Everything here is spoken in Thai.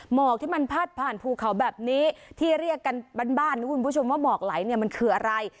หมอกที่มันพาดผ่านภูเขาแบบนี้ที่เรียกกันบ้านบ้านนะคุณผู้ชมว่าหมอกไหลเนี่ยมันคืออะไร